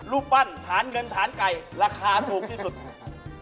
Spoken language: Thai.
รูปปั้นฐานเงินฐานไก่ราคาถูกที่สุด